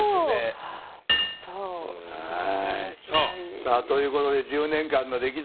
さあということで１０年間の歴代